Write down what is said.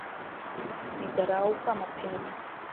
Nitarauka mapema